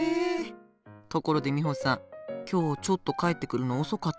ところでミホさん今日ちょっと帰ってくるの遅かったわね。